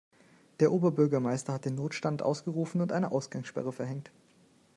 Der Oberbürgermeister hat den Notstand ausgerufen und eine Ausgangssperre verhängt.